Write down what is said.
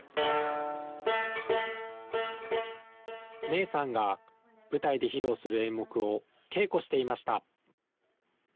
芽衣さんが舞台で披露する演目を稽古していました。